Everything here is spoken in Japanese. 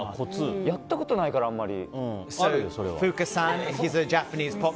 やったことないから、あんまり。